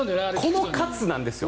この喝なんですよ。